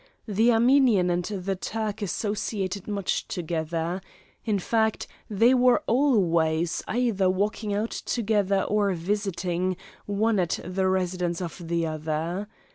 The Armenian and the Turk associated much together. In fact, they were always either walking out together or visiting, one at the residence of the other.